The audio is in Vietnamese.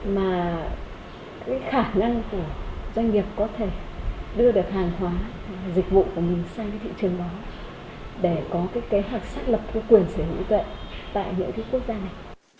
mà cái khả năng của doanh nghiệp có thể đưa được hàng hóa dịch vụ của mình sang cái thị trường đó để có cái kế hoạch xác lập cái quyền sở hữu tuệ tại những cái quốc gia này